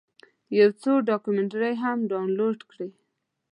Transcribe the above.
یو څو ډاکمنټرۍ هم ډاونلوډ کړې.